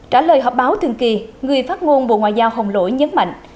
trả lời họp báo thường kỳ người phát ngôn bộ ngoại giao hồng lỗi nhấn mạnh